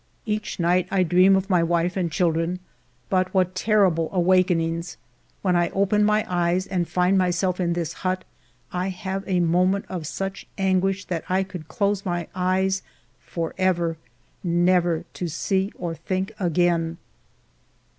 Each night I dream of my wife and children. But what terrible awakenings ! When I open my eyes and find myself in this hut, I have a moment of such anguish that I could close my eyes forever, never to see or think again.